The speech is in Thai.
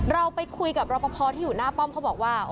เราไปคุยกับรอปภที่อยู่หน้าป้อมเขาบอกว่า